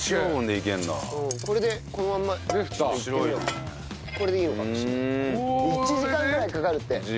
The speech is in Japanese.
これでいいのか１時間ぐらいかかるって。